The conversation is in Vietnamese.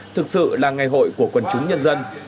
thực sự là ngày hội của quần chúng nhân dân